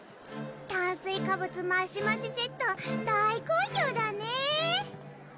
・「炭水化物マシマシセット」大好評だね！